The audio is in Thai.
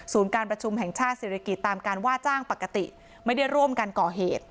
การประชุมแห่งชาติศิริกิจตามการว่าจ้างปกติไม่ได้ร่วมกันก่อเหตุ